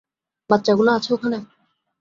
বাচ্চাগুলো আছে ওখানে?